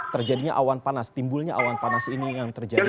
terjadinya awan panas timbulnya awan panas ini yang terjadi